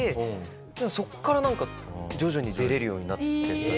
そこからなんか徐々に出れるようになっていった。